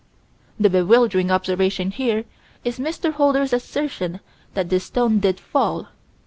The bewildering observation here is Mr. Holder's assertion that this stone did fall.